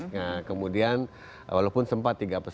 nah kemudian walaupun sempat tiga peserta